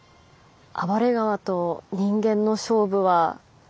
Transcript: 暴れ川と人間の勝負は決着。